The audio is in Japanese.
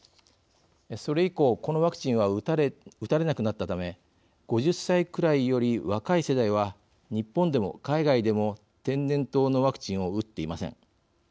それ以降、このワクチンは打たれなくなったため５０歳くらいより若い世代は日本でも海外でも天然痘のワクチンを打っていません。